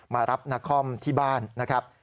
มารับนาคอมที่บ้านนะครับ